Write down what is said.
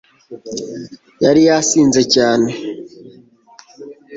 yari yasinze cyane